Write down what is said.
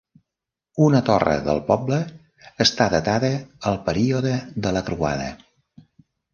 Una torre del poble està datada al període de la croada.